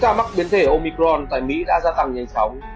các mắc biến thể omicron tại mỹ đã gia tăng nhanh chóng